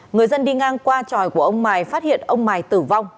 người dân đi ngang qua tròi của ông mài phát hiện ông mài tử vong